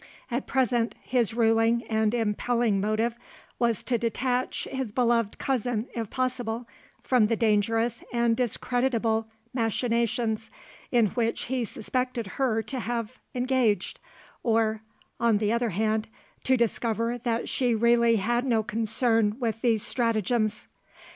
At present, his ruling and impelling motive was to detach his beloved cousin, if possible, from the dangerous and discreditable machinations in which he suspected her to have engaged, or, on the other hand, to discover that she really had no concern with these stratagems.